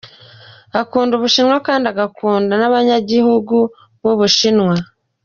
"Arakunda Ubushinwa kandi agakunda n'abanyagihugu b'Ubushinwa.